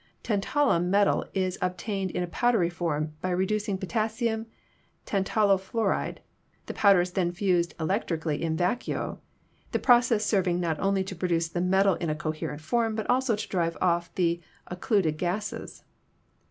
"Tantalum metal is obtained in a powdery form by re ducing potassium tantalo fluoride ; the powder is then fused electrically in vacuo, the process serving not only to produce the metal in a coherent form but also to drive off the occluded gases.